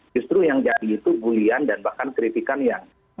justru yang jadi itu bulian dan bahkan kritikan yang